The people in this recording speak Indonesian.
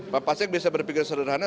pak pasek bisa berpikir sederhana